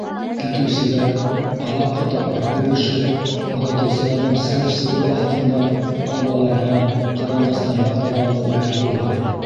Китеүселәр, аҙаҡҡы тапҡыр күрешеп, оҙатыусыларҙың сыр-сыуы аҫтында арбаларға, кырандастарға таралып ултырҙылар.